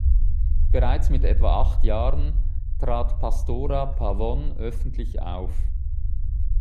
Bereits mit etwa acht Jahren trat Pastora Pavón öffentlich auf.